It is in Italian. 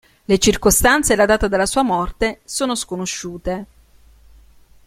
Le circostanze e la data della sua morte sono sconosciute.